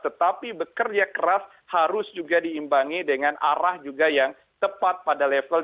tetapi bekerja keras harus juga diimbangi dengan arah juga yang tepat pada level